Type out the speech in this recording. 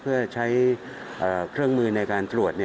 เพื่อใช้เครื่องมือในการตรวจ